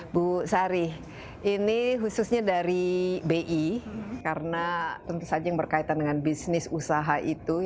bu sari ini khususnya dari bi karena tentu saja yang berkaitan dengan bisnis usaha itu